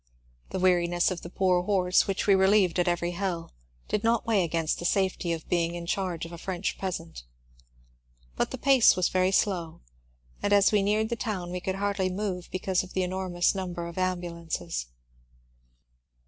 The weariness of the poor horse^ which we relieved at eveiy hill, did not weigh against the safety of being in charge of a French peasant. But the pace was very slow, and as we neared the town we could hardly move because of the enormous number of ambulances.